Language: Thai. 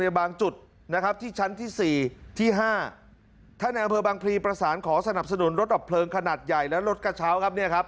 บางจุดนะครับที่ชั้นที่สี่ที่ห้าท่านในอำเภอบางพลีประสานขอสนับสนุนรถดับเพลิงขนาดใหญ่และรถกระเช้าครับเนี่ยครับ